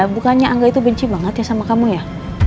bukannya angga itu benci banget ya sama kamu ya